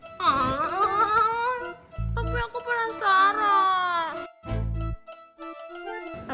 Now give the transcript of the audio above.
tapi aku penasaran